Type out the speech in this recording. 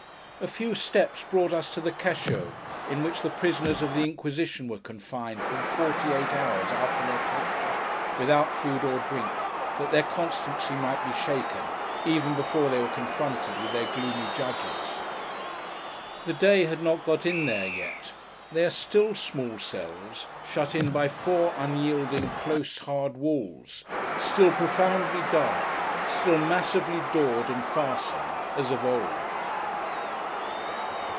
A few steps brought us to the Cachots, in which the prisoners of the Inquisition were confined for forty eight hours after their capture, without food or drink, that their constancy might be shaken, even before they were confronted with their gloomy judges. The day has not got in there yet. They are still small cells, shut in by four unyielding, close, hard walls; still profoundly dark; still massively doored and fastened, as of old.